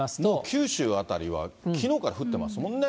九州辺りはきのうから降ってますもんね。